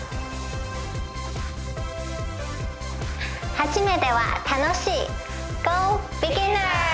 初めては楽しい。